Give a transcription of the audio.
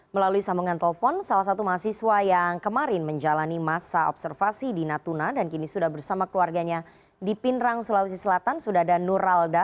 melalui sambungan telepon salah satu mahasiswa yang kemarin menjalani masa observasi di natuna dan kini sudah bersama keluarganya di pindrang sulawesi selatan sudah ada nur ralda